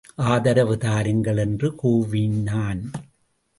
ஆதரவு தாருங்கள்! என்று கூவினான்.